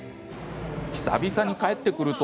久々に帰ってくると。